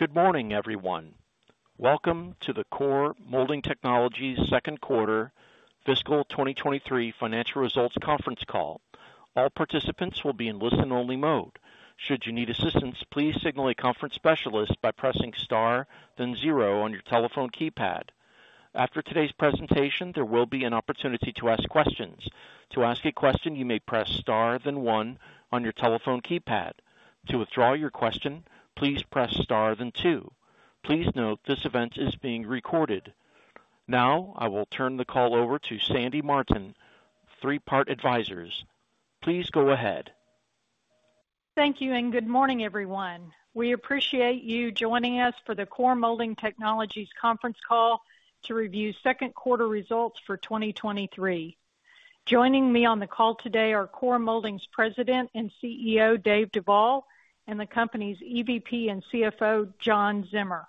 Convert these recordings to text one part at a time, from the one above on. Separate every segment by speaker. Speaker 1: Good morning, everyone. Welcome to the Core Molding Technologies Second Quarter Fiscal 2023 Financial Results Conference Call. All participants will be in listen-only mode. Should you need assistance, please signal a conference specialist by pressing star, then zero on your telephone keypad. After today's presentation, there will be an opportunity to ask questions. To ask a question, you may press star than one on your telephone keypad. To withdraw your question, please press Star, then two. Please note, this event is being recorded. Now, I will turn the call over to Sandy Martin, Three Part Advisors. Please go ahead.
Speaker 2: Thank you, good morning, everyone. We appreciate you joining us for the Core Molding Technologies conference call to review second quarter results for 2023. Joining me on the call today are Core Molding's President and CEO, Dave Duvall, and the company's EVP and CFO, John Zimmer.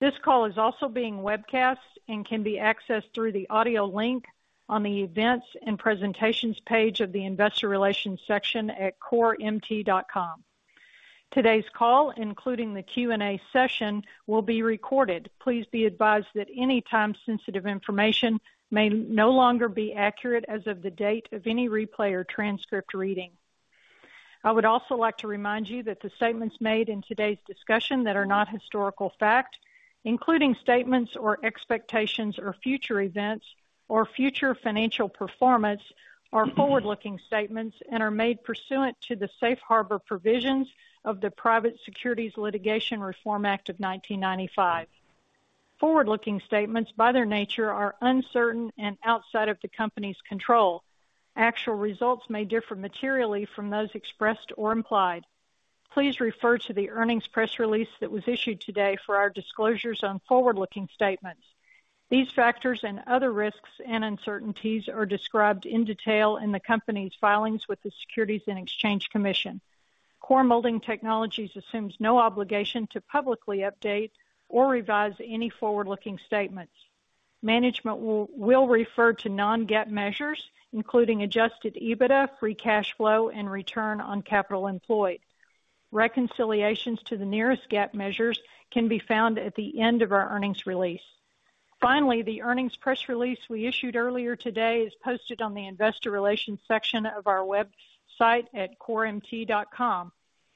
Speaker 2: This call is also being webcast and can be accessed through the audio link on the Events and Presentations page of the Investor Relations section at coremt.com. Today's call, including the Q&A session, will be recorded. Please be advised that any time-sensitive information may no longer be accurate as of the date of any replay or transcript reading. I would also like to remind you that the statements made in today's discussion that are not historical fact, including statements or expectations or future events or future financial performance, are forward-looking statements and are made pursuant to the safe harbor provisions of the Private Securities Litigation Reform Act of 1995. Forward-looking statements, by their nature, are uncertain and outside of the company's control. Actual results may differ materially from those expressed or implied. Please refer to the earnings press release that was issued today for our disclosures on forward-looking statements. These factors and other risks and uncertainties are described in detail in the Company's filings with the Securities and Exchange Commission. Core Molding Technologies assumes no obligation to publicly update or revise any forward-looking statements. Management will refer to non-GAAP measures, including Adjusted EBITDA, free cash flow, and return on capital employed. Reconciliations to the nearest GAAP measures can be found at the end of our earnings release. Finally, the earnings press release we issued earlier today is posted on the Investor Relations section of our website at coremt.com.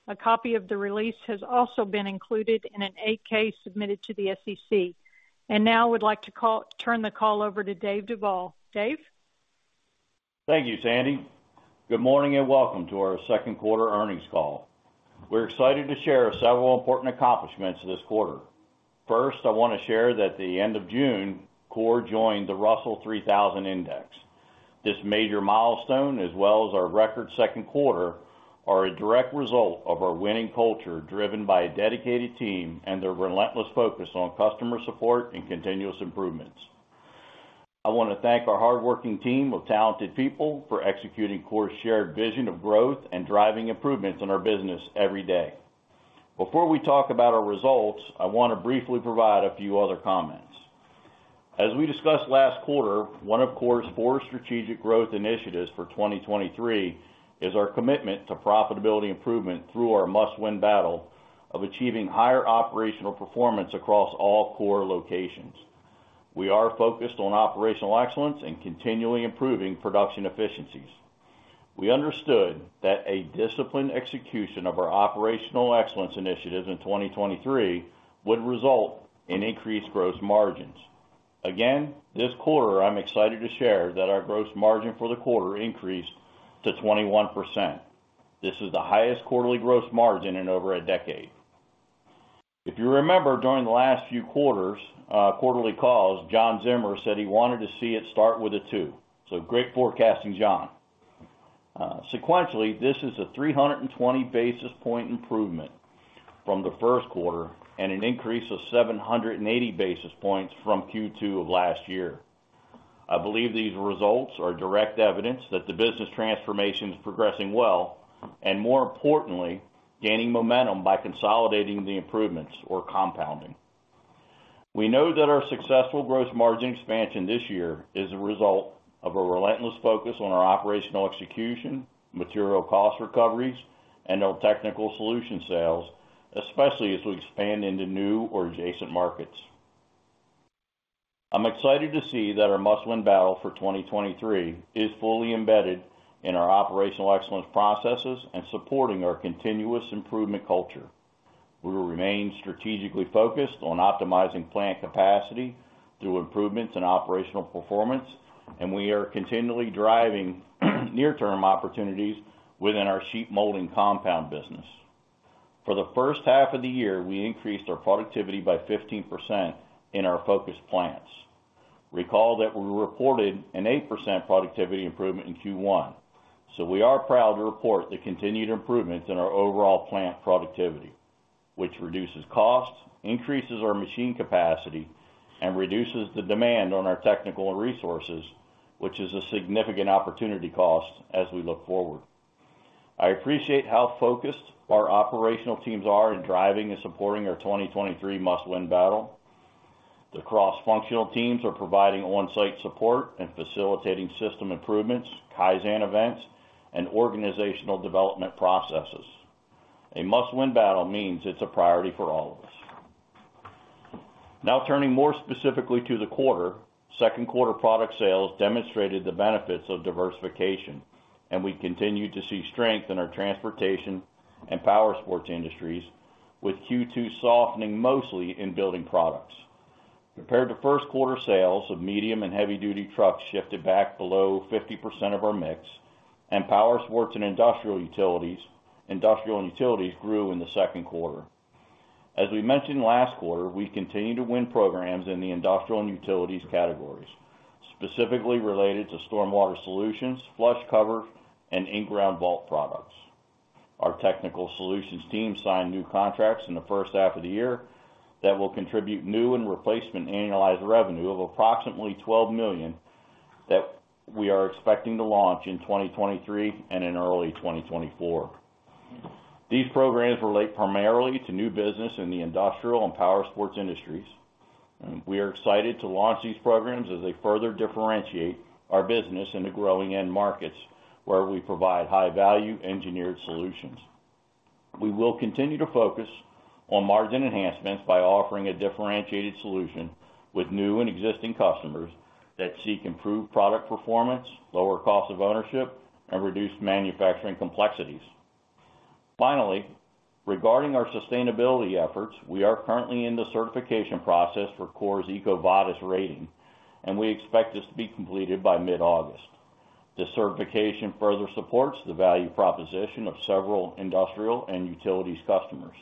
Speaker 2: A copy of the release has also been included in an 8-K submitted to the SEC. Now I would like to turn the call over to Dave Duvall. Dave?
Speaker 3: Thank you, Sandy. Good morning, welcome to our second quarter earnings call. We're excited to share several important accomplishments this quarter. First, I want to share that at the end of June, Core joined the Russell 3,000 Index. This major milestone, as well as our record second quarter, are a direct result of our winning culture, driven by a dedicated team and their relentless focus on customer support and continuous improvements. I want to thank our hardworking team of talented people for executing Core's shared vision of growth and driving improvements in our business every day. Before we talk about our results, I want to briefly provide a few other comments. As we discussed last quarter, one of Core's four strategic growth initiatives for 2023 is our commitment to profitability improvement through our must-win battle of achieving higher operational performance across all Core locations. We are focused on operational excellence and continually improving production efficiencies. We understood that a disciplined execution of our operational excellence initiatives in 2023 would result in increased gross margins. This quarter, I'm excited to share that our gross margin for the quarter increased to 21%. This is the highest quarterly gross margin in over a decade. If you remember, during the last few quarters, quarterly calls, John Zimmer said he wanted to see it start with a two. Great forecasting, John. Sequentially, this is a 320 basis point improvement from the first quarter and an increase of 780 basis points from Q2 of last year. I believe these results are direct evidence that the business transformation is progressing well, and more importantly, gaining momentum by consolidating the improvements or compounding. We know that our successful gross margin expansion this year is a result of a relentless focus on our operational execution, material cost recoveries, and our technical solution sales, especially as we expand into new or adjacent markets. I'm excited to see that our must-win battle for 2023 is fully embedded in our operational excellence processes and supporting our continuous improvement culture. We will remain strategically focused on optimizing plant capacity through improvements in operational performance, and we are continually driving near-term opportunities within our sheet molding compound business. For the first half of the year, we increased our productivity by 15% in our focus plants. Recall that we reported an 8% productivity improvement in Q1. We are proud to report the continued improvements in our overall plant productivity, which reduces costs, increases our machine capacity, and reduces the demand on our technical resources, which is a significant opportunity cost as we look forward. I appreciate how focused our operational teams are in driving and supporting our 2023 must-win battle. The cross-functional teams are providing on-site support and facilitating system improvements, Kaizen events, and organizational development processes. A must-win battle means it's a priority for all of us. Turning more specifically to the quarter, second quarter product sales demonstrated the benefits of diversification, and we continued to see strength in our transportation and powersports industries, with Q2 softening mostly in building products. Compared to first quarter sales of medium and heavy-duty trucks shifted back below 50% of our mix, and powersports and industrial and utilities grew in the second quarter. As we mentioned last quarter, we continue to win programs in the industrial and utilities categories, specifically related to stormwater solutions, flush cover, and in-ground vault products. Our technical solutions team signed new contracts in the first half of the year that will contribute new and replacement annualized revenue of approximately $12 million that we are expecting to launch in 2023 and in early 2024. These programs relate primarily to new business in the industrial and powersports industries, and we are excited to launch these programs as they further differentiate our business into growing end markets where we provide high-value engineered solutions. We will continue to focus on margin enhancements by offering a differentiated solution with new and existing customers that seek improved product performance, lower cost of ownership, and reduced manufacturing complexities. Finally, regarding our sustainability efforts, we are currently in the certification process for Core's EcoVadis rating, and we expect this to be completed by mid-August. This certification further supports the value proposition of several industrial and utilities customers.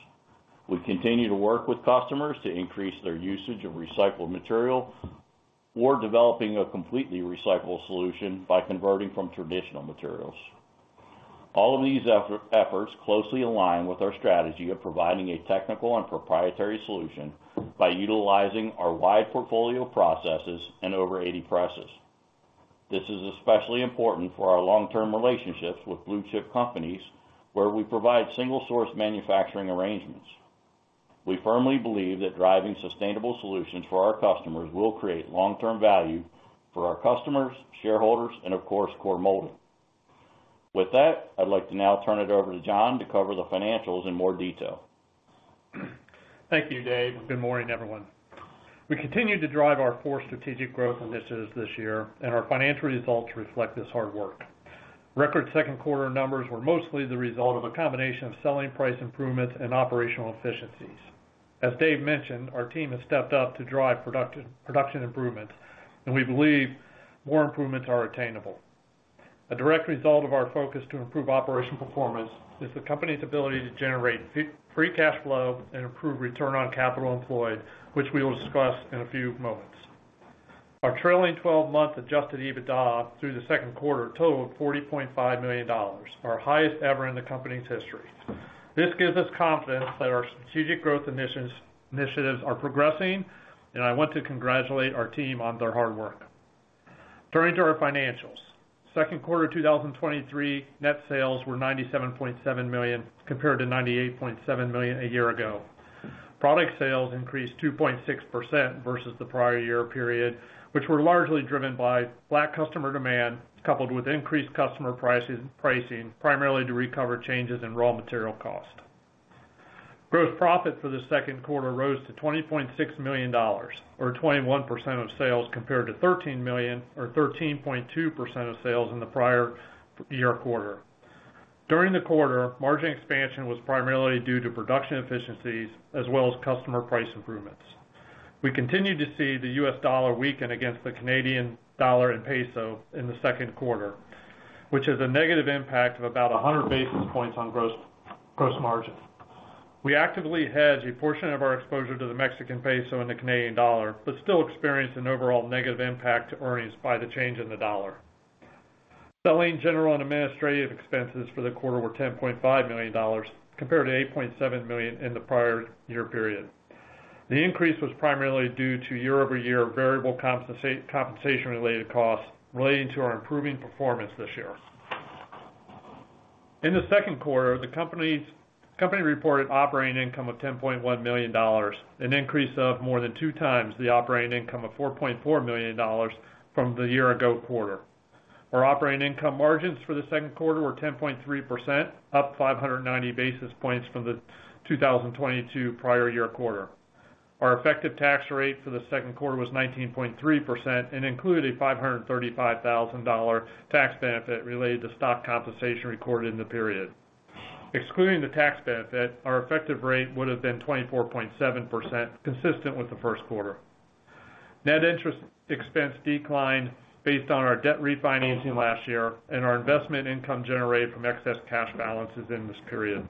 Speaker 3: We continue to work with customers to increase their usage of recycled material or developing a completely recycled solution by converting from traditional materials. All of these efforts closely align with our strategy of providing a technical and proprietary solution by utilizing our wide p ortfolio of processes and over 80 presses. This is especially important for our long-term relationships with blue-chip companies, where we provide single-source manufacturing arrangements. We firmly believe that driving sustainable solutions for our customers will create long-term value for our customers, shareholders, and, of course, Core Molding. With that, I'd like to now turn it over to John to cover the financials in more detail.
Speaker 4: Thank you, Dave. Good morning, everyone. We continued to drive our four strategic growth initiatives this year. Our financial results reflect this hard work. Record second quarter numbers were mostly the result of a combination of selling price improvements and operational efficiencies. As Dave mentioned, our team has stepped up to drive production improvements. We believe more improvements are attainable. A direct result of our focus to improve operation performance is the company's ability to generate free cash flow and improve return on capital employed, which we will discuss in a few moments. Our trailing 12-month Adjusted EBITDA through the second quarter totaled $40.5 million, our highest ever in the company's history. This gives us confidence that our strategic growth initiatives are progressing. I want to congratulate our team on their hard work. Turning to our financials. Second quarter 2023, net sales were $97.7 million, compared to $98.7 million a year ago. Product sales increased 2.6% versus the prior year period, which were largely driven by flat customer demand, coupled with increased customer pricing, pricing, primarily to recover changes in raw material cost. Gross profit for the second quarter rose to $20.6 million, or 21% of sales, compared to $13 million or 13.2% of sales in the prior year quarter. During the quarter, margin expansion was primarily due to production efficiencies as well as customer price improvements. We continued to see the US dollar weaken against the Canadian dollar and peso in the second quarter, which is a negative impact of about 100 basis points on gross, gross margin. We actively hedge a portion of our exposure to the Mexican peso and the Canadian dollar, still experience an overall negative impact to earnings by the change in the dollar. Selling, general, and administrative expenses for the quarter were $10.5 million, compared to $8.7 million in the prior year period. The increase was primarily due to year-over-year variable compensation-related costs relating to our improving performance this year. In the second quarter, the company reported operating income of $10.1 million, an increase of more than 2x the operating income of $4.4 million from the year ago quarter. Our operating income margins for the second quarter were 10.3%, up 590 basis points from the 2022 prior year quarter. Our effective tax rate for the second quarter was 19.3% and included $535,000 tax benefit related to stock compensation recorded in the period. Excluding the tax benefit, our effective rate would have been 24.7%, consistent with the first quarter. Net interest expense declined based on our debt refinancing last year and our investment income generated from excess cash balances in this period.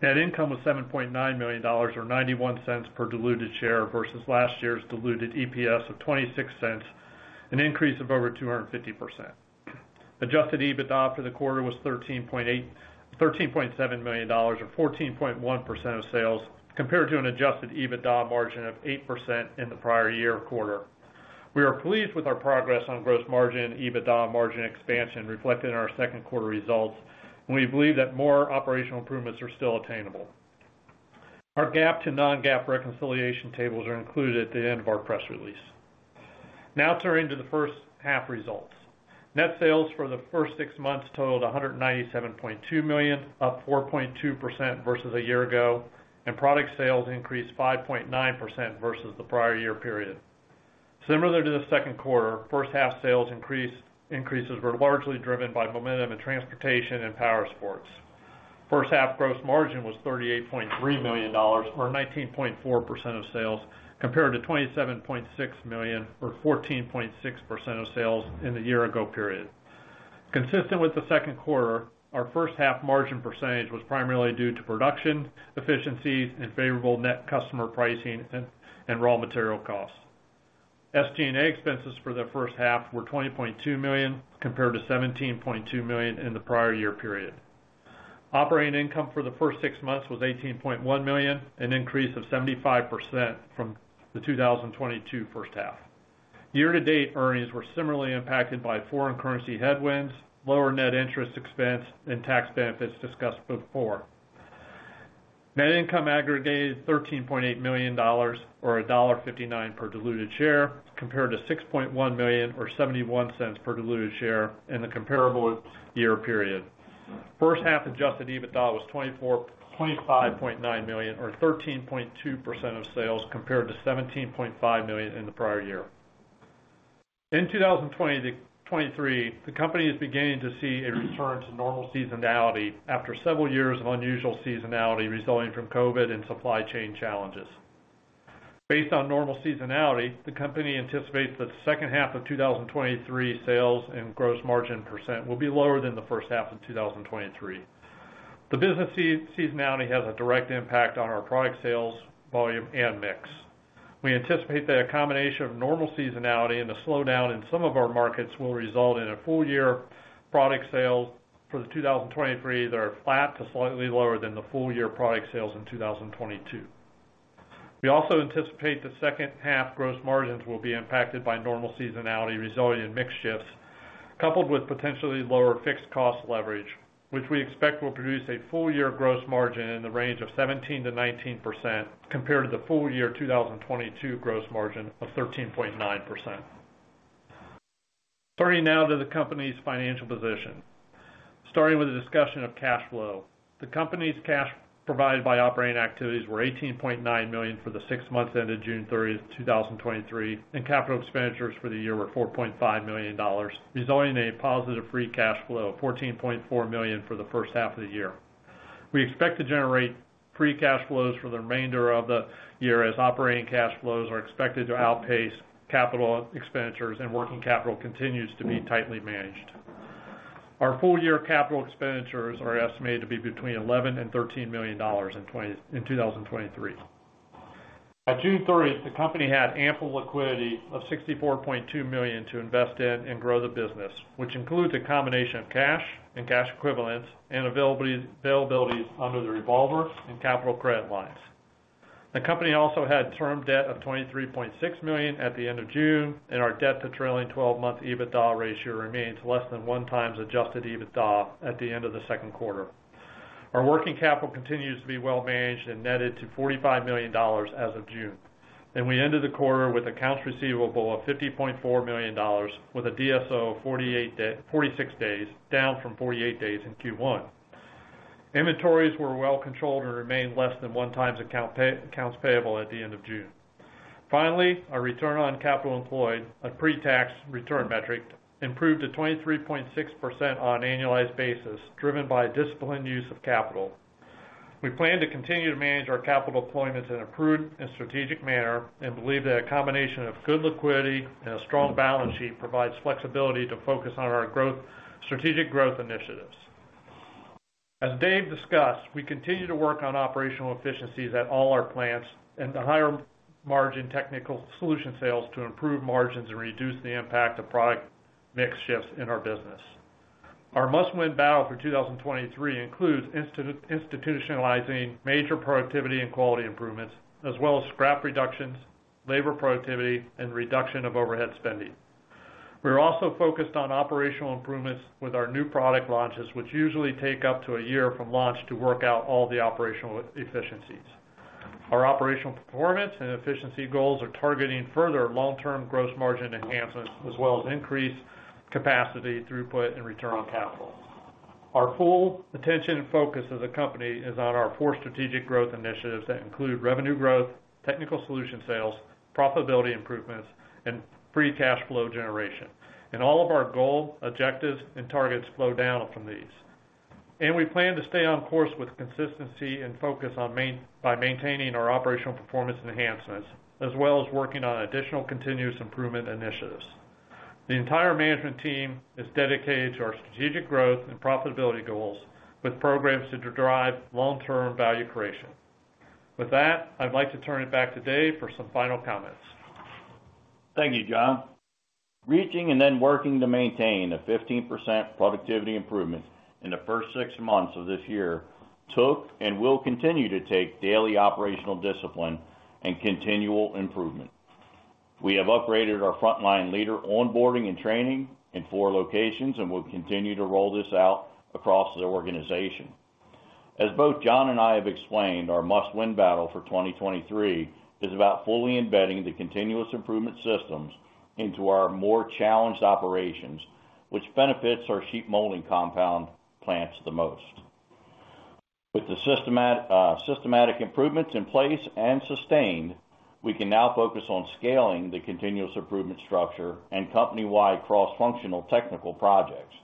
Speaker 4: Net income was $7.9 million, or $0.91 per diluted share, versus last year's diluted EPS of $0.26, an increase of over 250%. Adjusted EBITDA for the quarter was $13.7 million, or 14.1% of sales, compared to an Adjusted EBITDA margin of 8% in the prior year quarter. We are pleased with our progress on gross margin and EBITDA margin expansion reflected in our second quarter results, and we believe that more operational improvements are still attainable. Our GAAP to non-GAAP reconciliation tables are included at the end of our press release. Turning to the first half results. Net sales for the first six months totaled $197.2 million, up 4.2% versus a year ago, and product sales increased 5.9% versus the prior year period. Similar to the second quarter, first half sales increases were largely driven by momentum in transportation and power sports. First half gross margin was $38.3 million, or 19.4% of sales, compared to $27.6 million, or 14.6% of sales in the year ago period. Consistent with the second quarter, our first half margin percentage was primarily due to production, efficiencies, and favorable net customer pricing, and raw material costs. SG&A expenses for the first half were $20.2 million, compared to $17.2 million in the prior year period. Operating income for the first six months was $18.1 million, an increase of 75% from the 2022 first half. Year-to-date earnings were similarly impacted by foreign currency headwinds, lower net interest expense, and tax benefits discussed before. Net income aggregated $13.8 million or $1.59 per diluted share, compared to $6.1 million or $0.71 per diluted share in the comparable year period. First half Adjusted EBITDA was $25.9 million or 13.2% of sales, compared to $17.5 million in the prior year. In 2020-23, the company is beginning to see a return to normal seasonality after several years of unusual seasonality resulting from COVID and supply chain challenges. Based on normal seasonality, the company anticipates that the second half of 2023 sales and gross margin percent will be lower than the first half of 2023. The business seasonality has a direct impact on our product sales, volume, and mix. We anticipate that a combination of normal seasonality and the slowdown in some of our markets will result in a full year product sale for the 2023, that are flat to slightly lower than the full year product sales in 2022. We also anticipate the second half gross margins will be impacted by normal seasonality resulting in mix shifts, coupled with potentially lower fixed cost leverage, which we expect will produce a full-year gross margin in the range of 17%-19% compared to the full year 2022 gross margin of 13.9%. Turning now to the company's financial position. Starting with a discussion of cash flow. The company's cash provided by operating activities were $18.9 million for the six months ended June 30, 2023. Capital expenditures for the year were $4.5 million, resulting in a positive free cash flow of $14.4 million for the first half of the year. We expect to generate free cash flows for the remainder of the year, as operating cash flows are expected to outpace capital expenditures and working capital continues to be tightly managed. Our full year capital expenditures are estimated to be between $11 million and $13 million in 2023. By June 30th, the company had ample liquidity of $64.2 million to invest in and grow the business, which includes a combination of cash and cash equivalents and availabilities under the revolver and capital credit lines. The company also had term debt of $23.6 million at the end of June, and our debt to trailing 12 month EBITDA ratio remains less than 1x Adjusted EBITDA at the end of the second quarter. Our working capital continues to be well managed and netted to $45 million as of June, and we ended the quarter with accounts receivable of $50.4 million, with a DSO of 46 days, down from 48 days in Q1. Inventories were well controlled and remained less than 1x accounts payable at the end of June. Finally, our return on capital employed, a pre-tax return metric, improved to 23.6% on an annualized basis, driven by disciplined use of capital. We plan to continue to manage our capital deployments in a prudent and strategic manner, and believe that a combination of good liquidity and a strong balance sheet provides flexibility to focus on our strategic growth initiatives. As Dave discussed, we continue to work on operational efficiencies at all our plants and the higher margin technical solution sales to improve margins and reduce the impact of product mix shifts in our business. Our must-win battle for 2023 includes institutionalizing major productivity and quality improvements, as well as scrap reductions, labor productivity, and reduction of overhead spending. We're also focused on operational improvements with our new product launches, which usually take up to a year from launch to work out all the operational efficiencies. Our operational performance and efficiency goals are targeting further long-term gross margin enhancements, as well as increased capacity throughput and return on capital. Our full attention and focus as a company is on our four strategic growth initiatives that include revenue growth, technical solution sales, profitability improvements, and free cash flow generation. All of our goals, objectives, and targets flow down from these. We plan to stay on course with consistency and focus on maintaining our operational performance enhancements, as well as working on additional continuous improvement initiatives. The entire management team is dedicated to our strategic growth and profitability goals, with programs to derive long-term value creation. With that, I'd like to turn it back to Dave for some final comments.
Speaker 3: Thank you, John.... Reaching and then working to maintain a 15% productivity improvement in the first six months of this year took, and will continue to take, daily operational discipline and continual improvement. We have upgraded our frontline leader onboarding and training in four locations, We'll continue to roll this out across the organization. As both John and I have explained, our must-win battle for 2023 is about fully embedding the continuous improvement systems into our more challenged operations, which benefits our sheet molding compound plants the most. With the systematic improvements in place and sustained, we can now focus on scaling the continuous improvement structure and company-wide cross-functional technical projects.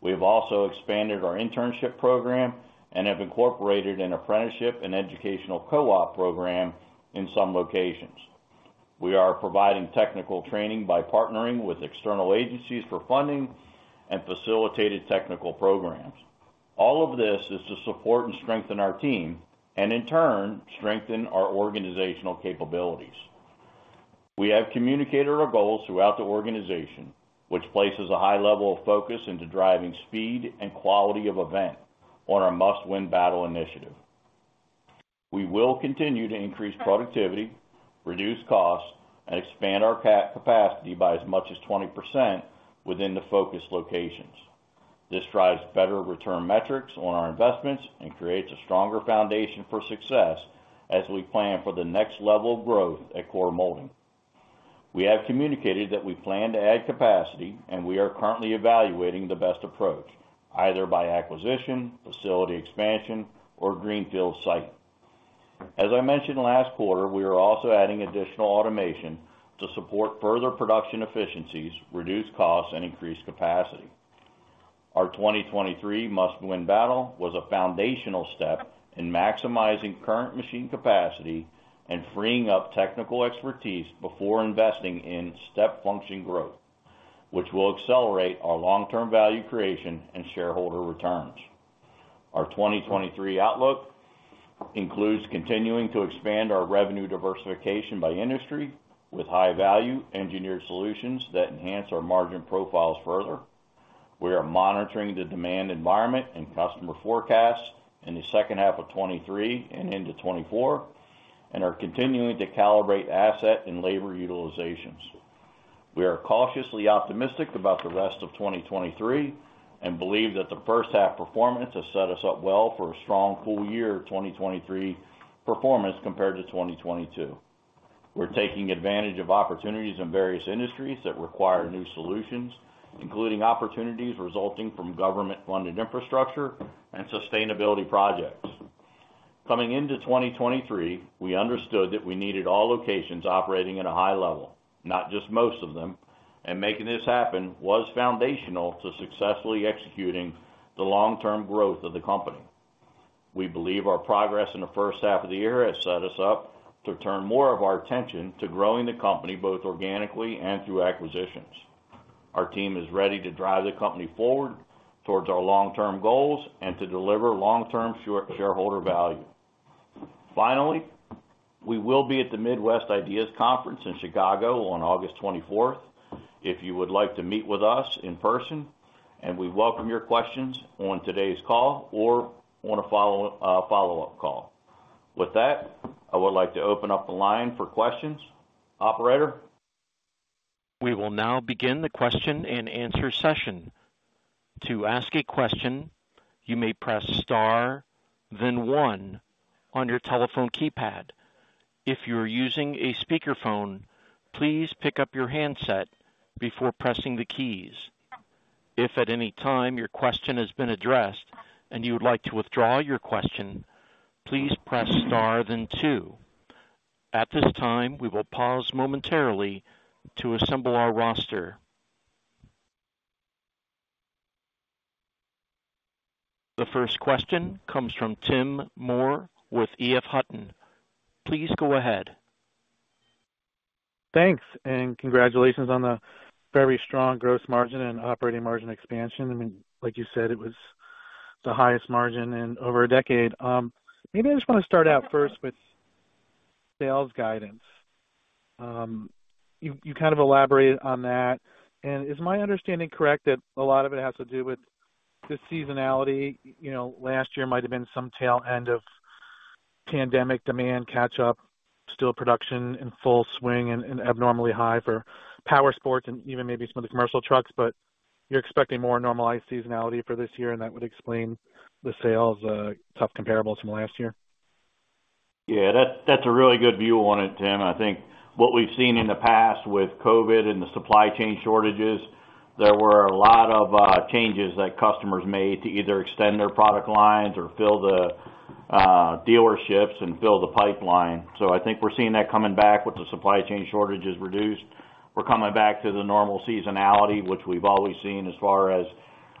Speaker 3: We have also expanded our internship program and have incorporated an apprenticeship and educational co-op program in some locations. We are providing technical training by partnering with external agencies for funding and facilitated technical programs. All of this is to support and strengthen our team, and in turn, strengthen our organizational capabilities. We have communicated our goals throughout the organization, which places a high level of focus into driving speed and quality of event on our must-win battle initiative. We will continue to increase productivity, reduce costs, and expand our capacity by as much as 20% within the focus locations. This drives better return metrics on our investments and creates a stronger foundation for success as we plan for the next level of growth at Core Molding. We have communicated that we plan to add capacity, and we are currently evaluating the best approach, either by acquisition, facility expansion, or greenfield site. As I mentioned last quarter, we are also adding additional automation to support further production efficiencies, reduce costs, and increase capacity. Our 2023 must-win battle was a foundational step in maximizing current machine capacity and freeing up technical expertise before investing in step function growth, which will accelerate our long-term value creation and shareholder returns. Our 2023 outlook includes continuing to expand our revenue diversification by industry with high-value engineered solutions that enhance our margin profiles further. We are monitoring the demand environment and customer forecasts in the second half of 2023 and into 2024, are continuing to calibrate asset and labor utilizations. We are cautiously optimistic about the rest of 2023 and believe that the first half performance has set us up well for a strong full year 2023 performance compared to 2022. We're taking advantage of opportunities in various industries that require new solutions, including opportunities resulting from government-funded infrastructure and sustainability projects. Coming into 2023, we understood that we needed all locations operating at a high level, not just most of them. Making this happen was foundational to successfully executing the long-term growth of the company. We believe our progress in the first half of the year has set us up to turn more of our attention to growing the company, both organically and through acquisitions. Our team is ready to drive the company forward towards our long-term goals and to deliver long-term shareholder value. Finally, we will be at the Midwest IDEAS Conference in Chicago on August 24th, if you would like to meet with us in person. We welcome your questions on today's call or on a follow, follow-up call. With that, I would like to open up the line for questions. Operator?
Speaker 1: We will now begin the question-and-answer session. To ask a question, you may press star, then one on your telephone keypad. If you are using a speakerphone, please pick up your handset before pressing the keys. If at any time your question has been addressed and you would like to withdraw your question, please press star, then two. At this time, we will pause momentarily to assemble our roster. The first question comes from Chip Moore with EF Hutton. Please go ahead.
Speaker 5: Thanks, and congratulations on the very strong gross margin and operating margin expansion. I mean, like you said, it was the highest margin in over a decade. Maybe I just want to start out first with sales guidance. You, you kind of elaborated on that. Is my understanding correct, that a lot of it has to do with the seasonality? You know, last year might have been some tail end of pandemic demand catch up, steel production in full swing and, and abnormally high for power sports and even maybe some of the commercial trucks. You're expecting more normalized seasonality for this year, and that would explain the sales tough comparables from last year?
Speaker 3: Yeah, that's, that's a really good view on it, Chip. I think what we've seen in the past with COVID and the supply chain shortages, there were a lot of changes that customers made to either extend their product lines or fill the dealerships and fill the pipeline. I think we're seeing that coming back. With the supply chain shortages reduced, we're coming back to the normal seasonality, which we've always seen as far as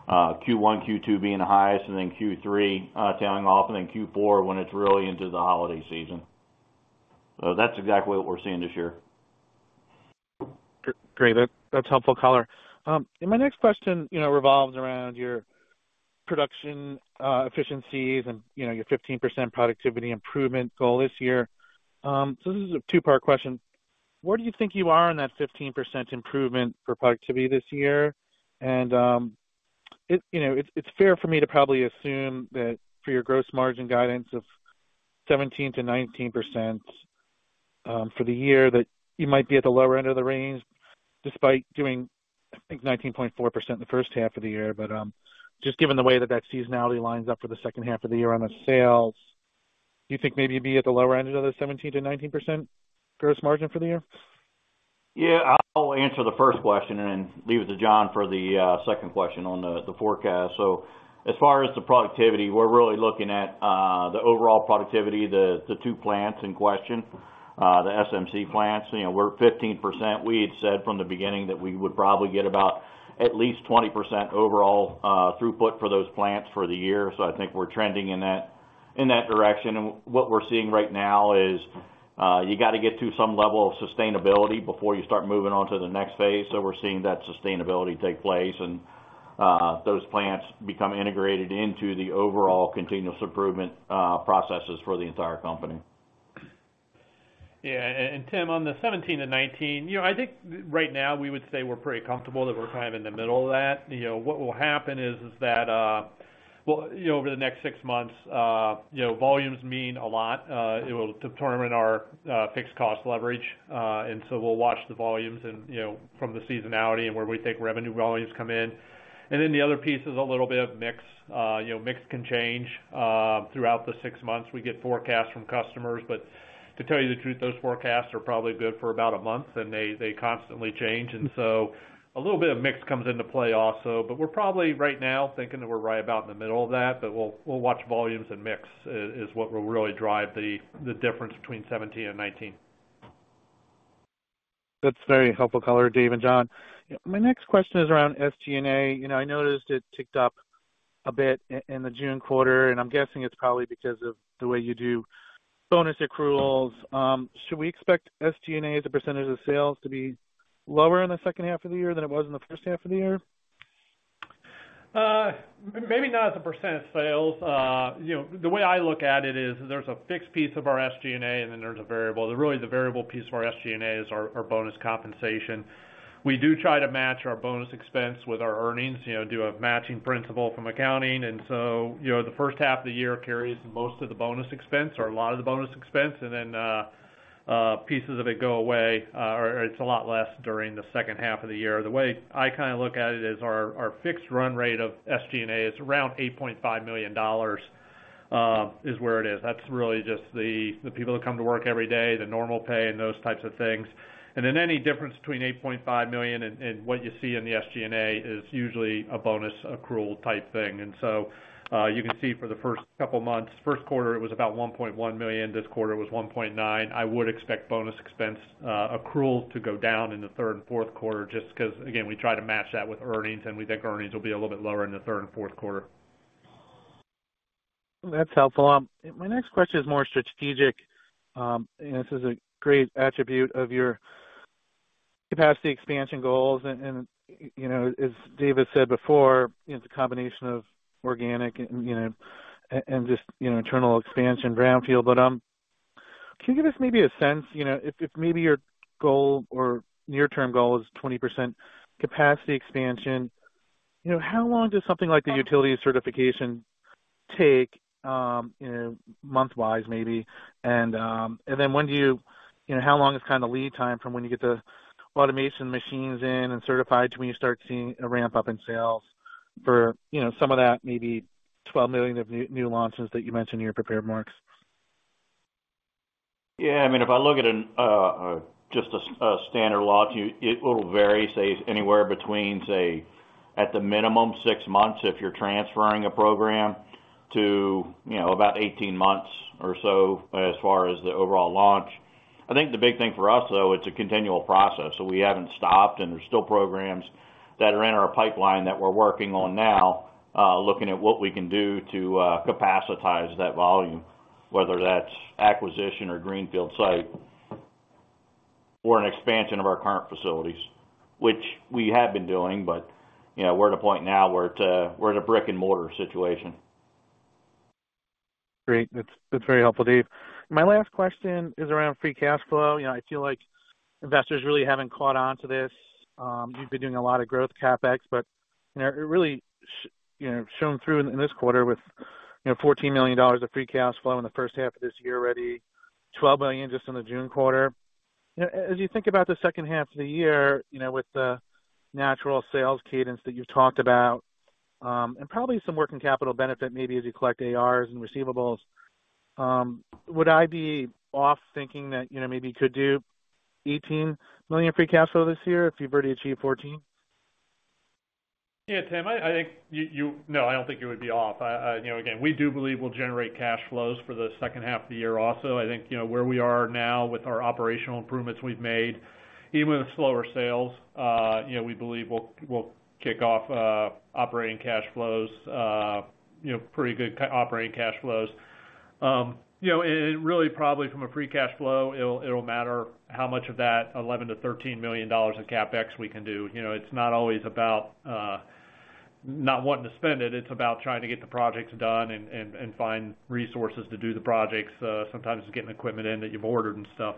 Speaker 3: Q1, Q2 being the highest, and then Q3 tailing off, and then Q4, when it's really into the holiday season. That's exactly what we're seeing this year.
Speaker 5: Great. That's, that's helpful color. My next question, you know, revolves around your production efficiencies and, you know, your 15% productivity improvement goal this year. This is a two-part question: Where do you think you are in that 15% improvement for productivity this year? It, you know, it's, it's fair for me to probably assume that for your gross margin guidance of 17%-19% for the year, that you might be at the lower end of the range despite doing, I think, 19.4% the first half of the year. Just given the way that that seasonality lines up for the second half of the year on the sales, do you think maybe you'd be at the lower end of the 17%-19% gross margin for the year?
Speaker 3: Yeah. I'll answer the first question and then leave it to John for the second question on the forecast. As far as the productivity, we're really looking at the overall productivity, the two plants in question, the SMC plants. You know, we're at 15%. We had said from the beginning that we would probably get about at least 20% overall throughput for those plants for the year. I think we're trending in that, in that direction. And what we're seeing right now is, you got to get to some level of sustainability before you start moving on to the next phase. We're seeing that sustainability take place, and those plants become integrated into the overall continuous improvement processes for the entire company.
Speaker 4: Yeah. Chip, on the 17-19, you know, I think right now we would say we're pretty comfortable that we're kind of in the middle of that. You know, what will happen is, is that... Well, you know, over the next six months, you know, volumes mean a lot. It will determine our fixed cost leverage. So we'll watch the volumes and, you know, from the seasonality and where we think revenue volumes come in. Then the other piece is a little bit of mix. You know, mix can change throughout the six months. We get forecasts from customers, but to tell you the truth, those forecasts are probably good for about one month, and they, they constantly change. So a little bit of mix comes into play also. We're probably, right now, thinking that we're right about in the middle of that, but we'll, we'll watch volumes and mix is what will really drive the difference between 17 and 19.
Speaker 5: That's very helpful color, Dave and John. My next question is around SG&A. You know, I noticed it ticked up a bit in the June quarter, and I'm guessing it's probably because of the way you do bonus accruals. Should we expect SG&A, as a percentage of sales, to be lower in the second half of the year than it was in the first half of the year?
Speaker 4: Maybe not as a percent of sales. You know, the way I look at it is, there's a fixed piece of our SG&A, and then there's a variable. Really, the variable piece of our SG&A is our, our bonus compensation. We do try to match our bonus expense with our earnings, you know, do a matching principle from accounting. So, you know, the first half of the year carries most of the bonus expense or a lot of the bonus expense, and then, pieces of it go away, or it's a lot less during the second half of the year. The way I kind of look at it is our, our fixed run rate of SG&A is around $8.5 million, is where it is. That's really just the, the people that come to work every day, the normal pay, and those types of things. Any difference between $8.5 million and what you see in the SG&A is usually a bonus accrual type thing. You can see for the first couple of months, first quarter, it was about $1.1 million. This quarter, it was $1.9 million. I would expect bonus expense accrual to go down in the third and fourth quarter just because, again, we try to match that with earnings, and we think earnings will be a little bit lower in the third and fourth quarter.
Speaker 5: That's helpful. My next question is more strategic. This is a great attribute of your capacity expansion goals. As Dave said before, it's a combination of organic and, you know, and just, you know, internal expansion brownfield. Can you give us maybe a sense, you know, if, if maybe your goal or near-term goal is 20% capacity expansion, you know, how long does something like the utility certification take, you know, month-wise, maybe? Then when do you... You know, how long is kind of lead time from when you get the automation machines in and certified to when you start seeing a ramp-up in sales for, you know, some of that maybe $12 million of new, new launches that you mentioned in your prepared remarks?
Speaker 3: Yeah, I mean, if I look at an, just a standard launch, it, it will vary, say, anywhere between, say, at the minimum, six months, if you're transferring a program, to, you know, about 18 months or so as far as the overall launch. I think the big thing for us, though, it's a continual process, so we haven't stopped, and there's still programs that are in our pipeline that we're working on now, looking at what we can do to capacitize that volume, whether that's acquisition or greenfield site or an expansion of our current facilities, which we have been doing, but, you know, we're at a point now where it's a, we're at a brick-and-mortar situation.
Speaker 5: Great. That's, that's very helpful, Dave. My last question is around free cash flow. You know, I feel like investors really haven't caught on to this. You've been doing a lot of growth CapEx, but, you know, it really you know, shown through in this quarter with, you know, $14 million of free cash flow in the first half of this year already, $12 million just in the June quarter. You know, as you think about the second half of the year, you know, with the natural sales cadence that you've talked about, and probably some working capital benefit, maybe as you collect ARs and receivables, would I be off thinking that, you know, maybe you could do $18 million free cash flow this year if you've already achieved $14 million?
Speaker 4: Yeah, Chip, I think you. No, I don't think you would be off. You know, again, we do believe we'll generate cash flows for the second half of the year also. I think, you know, where we are now with our operational improvements we've made, even with slower sales, you know, we believe we'll, we'll kick off operating cash flows, you know, pretty good operating cash flows. You know, and, and really probably from a free cash flow, it'll, it'll matter how much of that $11 million-$13 million of CapEx we can do. You know, it's not always about not wanting to spend it, it's about trying to get the projects done and, and, and find resources to do the projects, sometimes getting equipment in that you've ordered and stuff.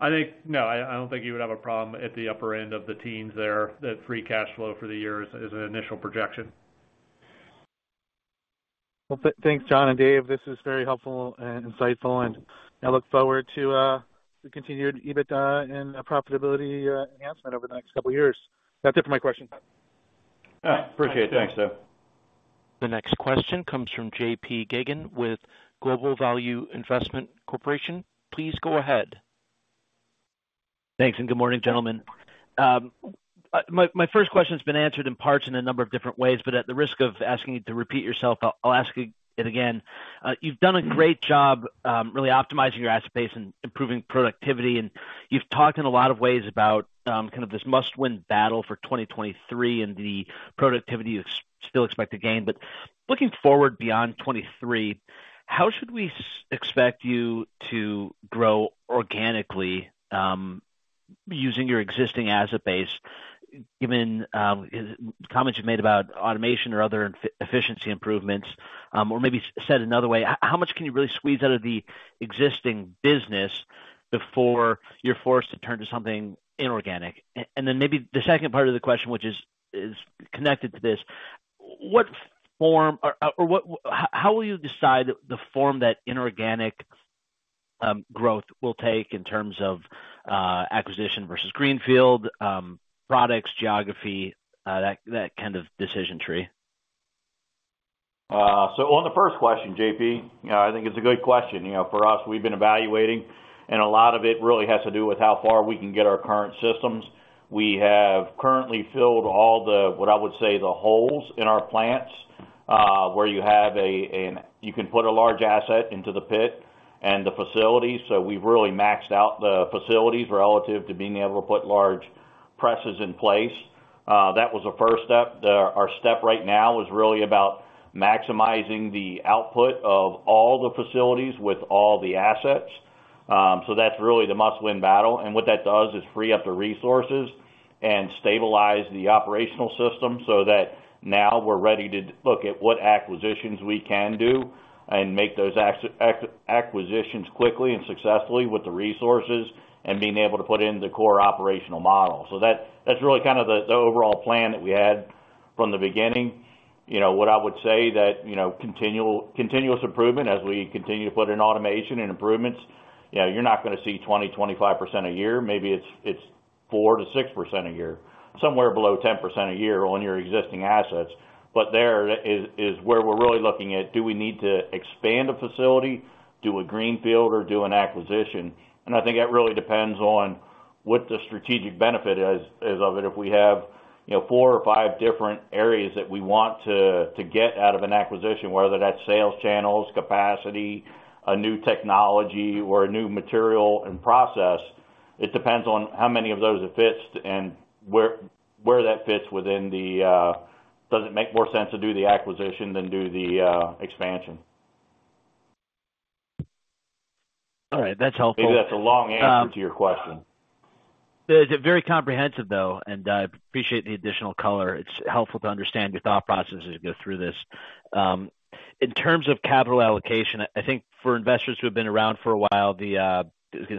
Speaker 4: I think, no, I, I don't think you would have a problem at the upper end of the teens there, that free cash flow for the year is, is an initial projection.
Speaker 5: Well, thanks, John and Dave. This is very helpful and insightful, and I look forward to the continued EBITDA and profitability enhancement over the next couple of years. That's it for my questions.
Speaker 3: Appreciate it. Thanks, Dave.
Speaker 1: The next question comes from JP Geygan with Global Value Investment Corporation. Please go ahead.
Speaker 6: Thanks, and good morning, gentlemen. My, my first question has been answered in parts in a number of different ways, but at the risk of asking you to repeat yourself, I'll, I'll ask it again. You've done a great job, really optimizing your asset base and improving productivity, and you've talked in a lot of ways about, kind of this must-win battle for 2023 and the productivity you still expect to gain. Looking forward beyond 2023, how should we expect you to grow organically, using your existing asset base, given, comments you've made about automation or other efficiency improvements? Or maybe said another way, how much can you really squeeze out of the existing business before you're forced to turn to something inorganic? Then maybe the second part of the question, which is, is connected to this: What form or how will you decide the form that inorganic growth will take in terms of acquisition versus greenfield, products, geography, that kind of decision tree?
Speaker 3: On the first question, JP, I think it's a good question. You know, for us, we've been evaluating, and a lot of it really has to do with how far we can get our current systems. We have currently filled all the, what I would say, the holes in our plants, where you have a, you can put a large asset into the pit and the facilities. We've really maxed out the facilities relative to being able to put large presses in place. That was the first step. Our step right now is really about maximizing the output of all the facilities with all the assets. That's really the must-win battle, and what that does is free up the resources and stabilize the operational system so that now we're ready to look at what acquisitions we can do and make those acq- ac- acquisitions quickly and successfully with the resources and being able to put in the core operational model. That, that's really kind of the, the overall plan that we had from the beginning. You know, what I would say that, you know, continual- continuous improvement as we continue to put in automation and improvements, you know, you're not going to see 20%-25% a year. Maybe it's, it's 4%-6% a year, somewhere below 10% a year on your existing assets. There is, is where we're really looking at, do we need to expand a facility, do a greenfield, or do an acquisition? I think that really depends on what the strategic benefit is of it. If we have, you know, four or five different areas that we want to get out of an acquisition, whether that's sales channels, capacity, a new technology, or a new material and process, it depends on how many of those it fits and where that fits within the. Does it make more sense to do the acquisition than do the expansion?
Speaker 6: All right. That's helpful.
Speaker 3: Maybe that's a long answer to your question.
Speaker 6: It's very comprehensive, though, and I appreciate the additional color. It's helpful to understand your thought process as you go through this. In terms of capital allocation, I think for investors who have been around for a while, the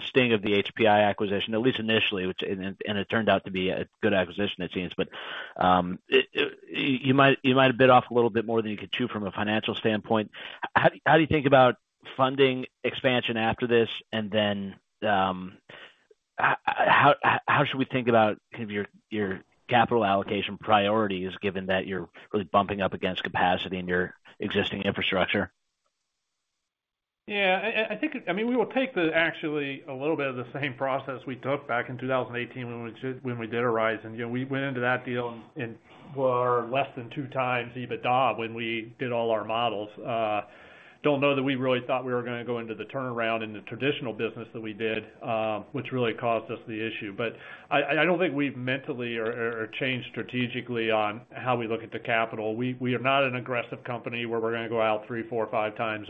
Speaker 6: sting of the HPI acquisition, at least initially, which, and it turned out to be a good acquisition, it seems, but it, you might have bit off a little bit more than you could chew from a financial standpoint. How do you think about funding expansion after this? Then, how should we think about kind of your, your capital allocation priorities, given that you're really bumping up against capacity in your existing infrastructure?
Speaker 4: Yeah, I, I, I think, I mean, we will take the actually a little bit of the same process we took back in 2018 when we did Horizon. You know, we went into that deal and, and were less than 2x EBITDA when we did all our models. Don't know that we really thought we were going to go into the turnaround in the traditional business that we did, which really caused us the issue. I, I, don't think we've mentally or, or, changed strategically on how we look at the capital. We, we are not an aggressive company, where we're going to go out 3x, 4x, or 5x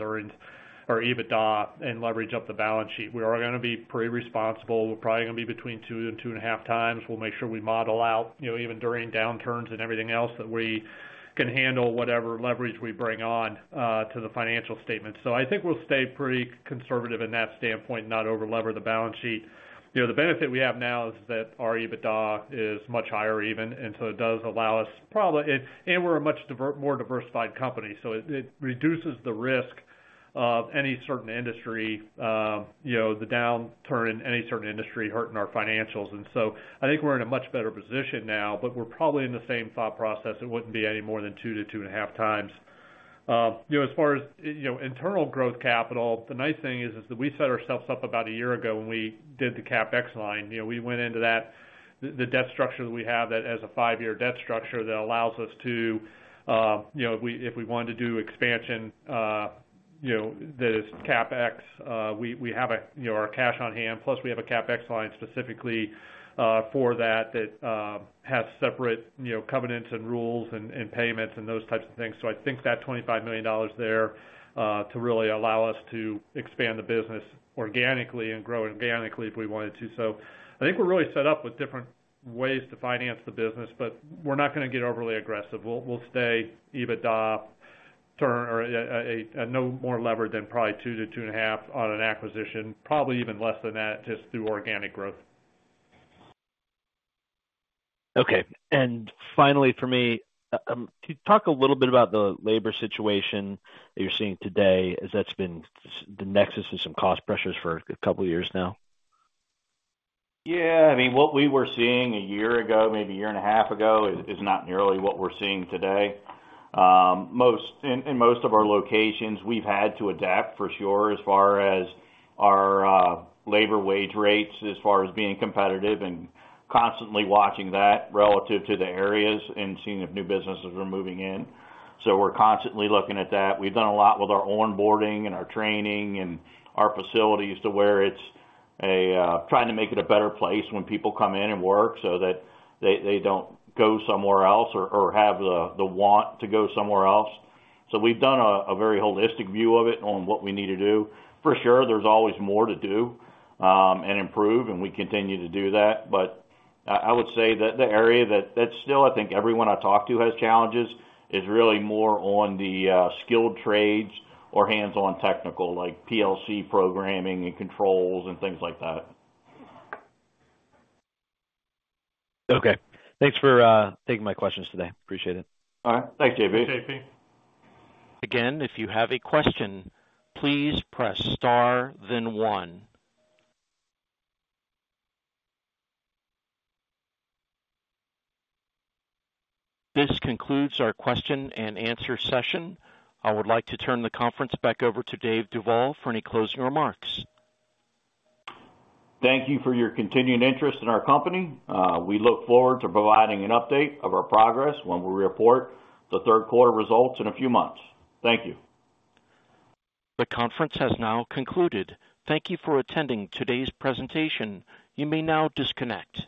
Speaker 4: our EBITDA and leverage up the balance sheet. We are going to be pretty responsible. We're probably going to be between 2x and 2.5x. We'll make sure we model out, you know, even during downturns and everything else, that we can handle whatever leverage we bring on to the financial statement. I think we'll stay pretty conservative in that standpoint, not over-lever the balance sheet. You know, the benefit we have now is that our EBITDA is much higher even, and so it does allow us probably. We're a much more diversified company, so it reduces the risk of any certain industry, you know, the downturn in any certain industry hurting our financials. I think we're in a much better position now, but we're probably in the same thought process. It wouldn't be any more than 2x-2.5x. You know, as far as, you know, internal growth capital, the nice thing is, is that we set ourselves up about a year ago when we did the CapEx line. You know, we went into that, the, the debt structure that we have, that as a five-year debt structure, that allows us to, you know, if we, if we wanted to do expansion......
Speaker 3: you know, this CapEx. We, we have a, you know, our cash on hand, plus we have a CapEx line specifically, for that, that, has separate, you know, covenants and rules and, and payments and those types of things. I think that $25 million there, to really allow us to expand the business organically and grow organically if we wanted to. I think we're really set up with different ways to finance the business, but we're not gonna get overly aggressive. We'll, we'll stay EBITDA term or no more levered than probably 2x-2.5x on an acquisition, probably even less than that, just through organic growth.
Speaker 6: Okay. Finally, for me, could you talk a little bit about the labor situation that you're seeing today, as that's been the nexus of some cost pressures for a couple of years now?
Speaker 3: Yeah, I mean, what we were seeing a year ago, maybe a year and a half ago, is, is not nearly what we're seeing today. In most of our locations, we've had to adapt for sure, as far as our labor wage rates, as far as being competitive and constantly watching that relative to the areas and seeing if new businesses are moving in. We're constantly looking at that. We've done a lot with our onboarding and our training and our facilities to where it's a, trying to make it a better place when people come in and work so that they, they don't go somewhere else or, or have the, the want to go somewhere else. We've done a, a very holistic view of it on what we need to do. For sure, there's always more to do, and improve, and we continue to do that. But I, I would say that the area that, that still, I think everyone I talk to has challenges, is really more on the skilled trades or hands-on technical, like PLC programming and controls and things like that.
Speaker 6: Okay. Thanks for taking my questions today. Appreciate it.
Speaker 3: All right. Thanks, JP.
Speaker 5: Thanks, JP.
Speaker 1: Again, if you have a question, please press star, then one. This concludes our question and answer session. I would like to turn the conference back over to Dave Duvall for any closing remarks.
Speaker 3: Thank you for your continuing interest in our company. We look forward to providing an update of our progress when we report the third quarter results in a few months. Thank you.
Speaker 1: The conference has now concluded. Thank you for attending today's presentation. You may now disconnect.